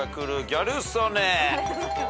ギャル曽根。